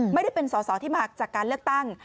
ไม่ได้เป็นสอสอที่มาจากการเลือกตั้ง